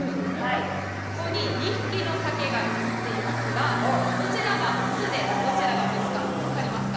ここに２匹の鮭が映っていますが、どちらが雄でどちらが雌か、分かりますか？